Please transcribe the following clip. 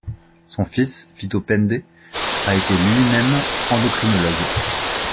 Son fils, Vito Pende, a été lui-même endocrinologue.